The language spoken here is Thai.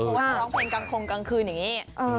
เพราะว่าจะร้องเพลงกลางคงกลางคืนอย่างนี้